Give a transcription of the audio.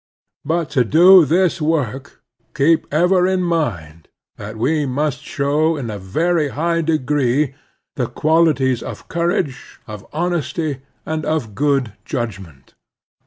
But to do this work, keep ever in mind that we must show in a very high degree the /qualities of courage, of honesty, and of good judg Nv ment.